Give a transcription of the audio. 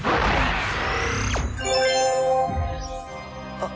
あっ。